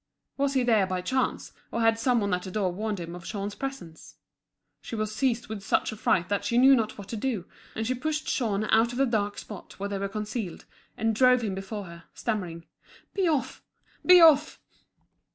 Was he there by chance, or had some one at the door warned him of Jean's presence? She was seized with such a fright that she knew not what to do; and she pushed Jean out of the dark spot where they were concealed, and drove him before her, stammering out: "Be off! Be off!"